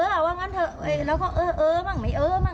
เราก็เออไม่เออ